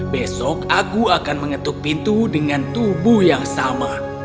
besok aku akan mengetuk pintu dengan tubuh yang sama